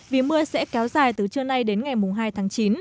vì mưa sẽ kéo dài từ trưa nay đến ngày hai tháng chín